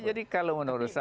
jadi kalau menurut saya